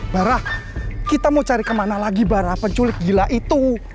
barah kita mau cari kemana lagi barah penculik gila itu